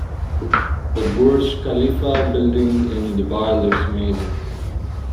The Burj Khalifa building in Dubai looks amazing.